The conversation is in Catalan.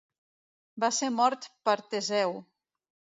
Va ser mort per Teseu.